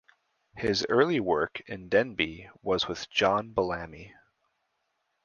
His early work in Denbigh was with John Bellamy.